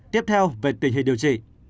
tiếp theo về tình hình điều trị